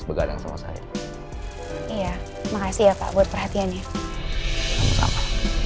begadang sama saya iya makasih ya pak buat perhatiannya sama sama